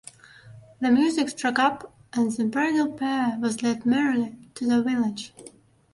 The music struck up, and the bridal pair was led merrily to the village.